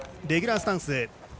レギュラースタンス。